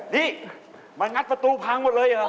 นี่มันนัดประตูพังหมดเลย